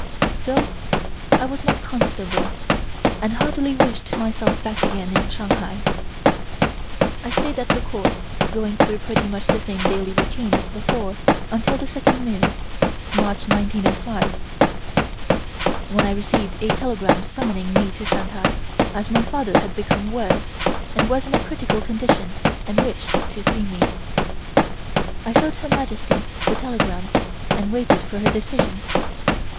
Still, I was not comfortable, and heartily wished myself back again in Shanghai. I stayed at the Court, going through pretty much the same daily routine as before until the second moon (March 1905), when I received a telegram summoning me to Shanghai as my father had become worse, and was in a critical condition and wished to see me. I showed Her Majesty the telegram and waited for her decision.